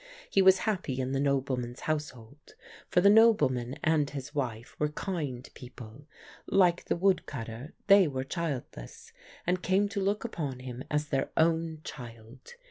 He was happy in the nobleman's household, for the nobleman and his wife were kind people; like the woodcutter they were childless and came to look upon him as their own child.